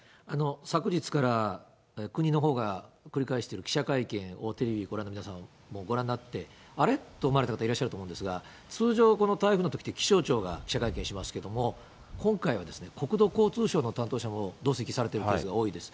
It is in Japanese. さくじつから、国のほうが繰り返している記者会見をテレビでご覧の皆さんもご覧になって、あれ？と思われた方いらっしゃると思うんですが、通常、この台風のときって気象庁が記者会見しますけども、今回は国土交通省の担当者も同席されてるケースが多いです。